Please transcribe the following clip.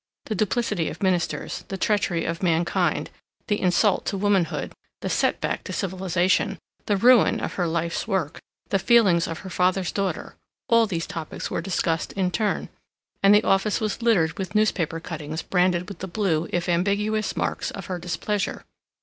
The duplicity of Ministers, the treachery of mankind, the insult to womanhood, the setback to civilization, the ruin of her life's work, the feelings of her father's daughter—all these topics were discussed in turn, and the office was littered with newspaper cuttings branded with the blue, if ambiguous, marks of her displeasure.